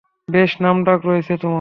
বেশ নামডাক রয়েছে তোমার।